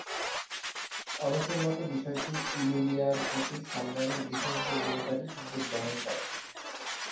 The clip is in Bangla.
অনেকের মতে, বিষয়টি ইলুলিয়ার প্রতি সালমানের বিশেষ দুর্বলতারই ইঙ্গিত বহন করে।